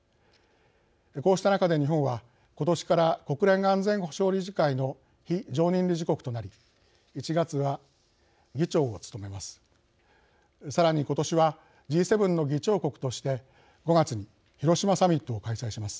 こうした中で日本は今年から国連の安全保障理事会の非常任理事国となり１月は議長を務めます。